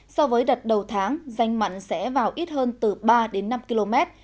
so với đợt đầu tháng danh mặn sẽ vào ít hơn từ ba đến năm km